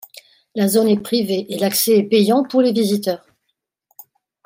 La zone est privée et l'accès est payant pour les visiteurs.